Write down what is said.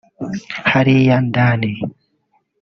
hariya ndani